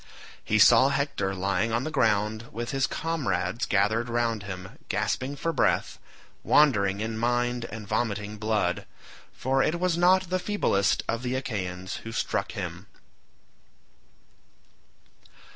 He saw Hector lying on the ground with his comrades gathered round him, gasping for breath, wandering in mind and vomiting blood, for it was not the feeblest of the Achaeans who struck him.